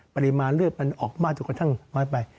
ปริมาณเลือดมันออกมาจนกระทั่งน้อยไป